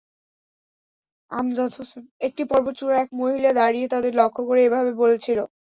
একটি পর্বত-চূড়ায় এক মহিলা দাড়িয়ে তাদের লক্ষ্য করে এভাবে বলছিল।